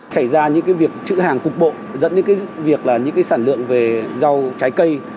xảy ra những việc chữ hàng cục bộ dẫn đến những việc là những sản lượng về rau trái cây